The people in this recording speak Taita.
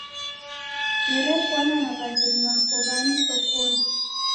Nerepwana na waghenyu w'apo w'amu sokonyi.